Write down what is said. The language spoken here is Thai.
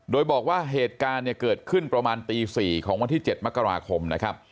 โดยบอกว่าเหตุการณ์เนี่ยเกิดขึ้นประมาณตี๔ของวันที่๗มกราคมนะครับ